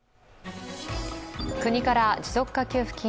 国から持続化給付金